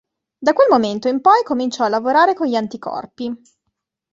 Da quel momento in poi cominciò a lavorare con gli anticorpi.